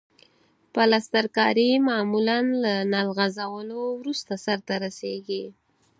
پلسترکاري معمولاً له نل غځولو وروسته سرته رسیږي.